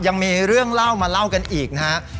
ยังมีเรื่องเล่ามาเล่ากันอีกนะครับ